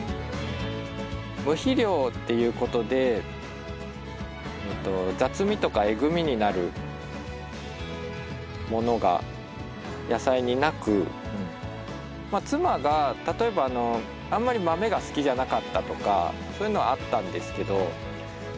無肥料っていうことで雑味とかえぐみになるものが野菜になく妻が例えばあんまりマメが好きじゃなかったとかそういうのはあったんですけど